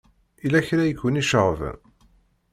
Yella kra i ken-iceɣben?